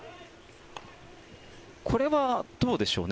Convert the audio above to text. これはどうでしょうね？